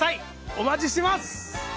お待ちしてます